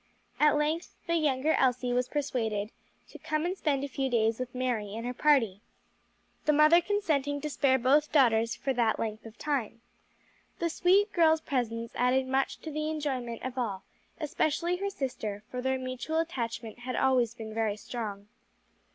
At length the younger Elsie was persuaded to come and spend a few days with Mary and her party, the mother consenting to spare both daughters for that length of time. The sweet girl's presence added much to the enjoyment of all, especially her sister, for their mutual attachment had always been very strong.